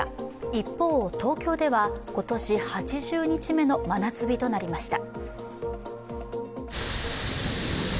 一方、東京では今年８０日目の真夏日となりました。